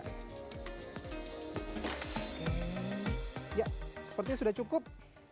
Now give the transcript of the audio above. ya sepertinya sudah cukup